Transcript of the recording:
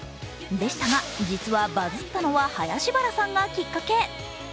でしたが、実はバズったのは林原さんがきっかけ。